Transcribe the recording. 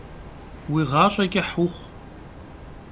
Vui ğaş'e ç'ıh vuxhu!